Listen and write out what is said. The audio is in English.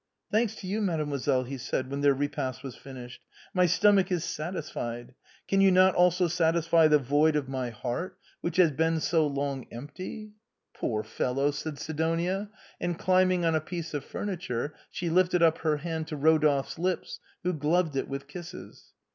" Thanks to you, mademoiselle," he said, when their re past was finished, " my stomach is satisfied. Can you not also satisfy the void of my heart, which has been so long empty ?"" Poor fellow !" said Sidonia ; and climbing on a piece of furniture, she lifted up her hand to Rodolphe's lips, who gloved it with kisses.